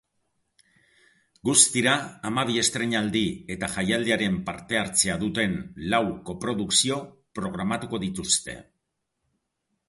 Guztira, hamabi estreinaldi eta jaialdiaren parte-hartzea duten lau koprodukzio programatuko dituzte.